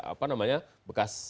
apa namanya bekas